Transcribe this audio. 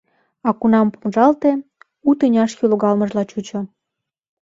А кунам помыжалте, у тӱняшке логалмыжла чучо.